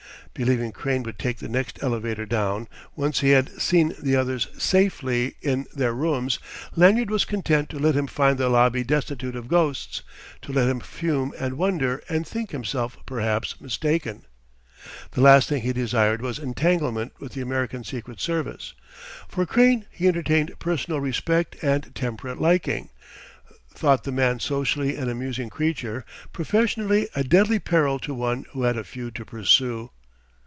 Believing Crane would take the next elevator down, once he had seen the others safely in their rooms, Lanyard was content to let him find the lobby destitute of ghosts, to let him fume and wonder and think himself perhaps mistaken. The last thing he desired was entanglement with the American Secret Service. For Crane he entertained personal respect and temperate liking, thought the man socially an amusing creature, professionally a deadly peril to one who had a feud to pursue.